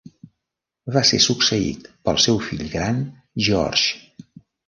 Va ser succeït pel seu fill gran, George.